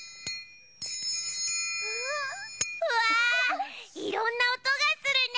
うわいろんなおとがするね！